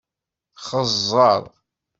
Xeẓẓeṛ!